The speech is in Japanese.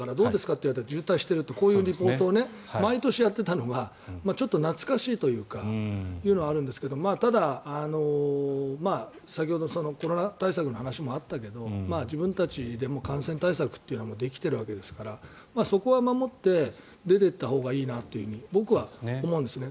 って言われたら渋滞しているというリポートを毎年やっていたのがちょっと懐かしいというかというのがあるんですけどただ、先ほどコロナ対策の話もあったけど自分たちでも感染対策というのはできているわけですからそこは守って、出ていったほうがいいなというふうに僕は思うんですね。